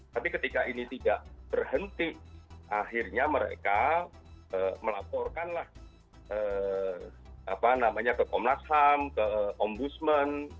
tapi ketika ini tidak berhenti akhirnya mereka melaporkan ke komnas ham ke ombudsman